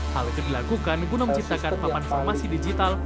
hal itu dilakukan guna menciptakan papan farmasi digital